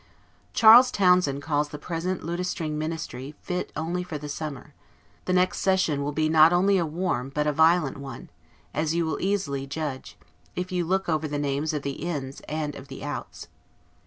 Charles Townshend calls the present a Lutestring Ministry; fit only for the summer. The next session will be not only a warm, but a violent one, as you will easily judge; if you look over the names of the INS and of the OUTS.